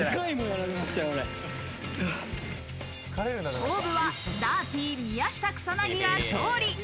勝負はダーティー宮下草薙が勝利。